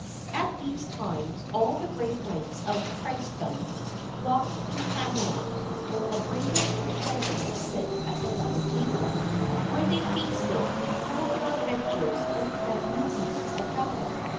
At these times all the brave knights of Christendom flocked to Camelot, and the bravest were chosen to sit at the Round Table, where they feasted, told their adventures, and planned new deeds of valor.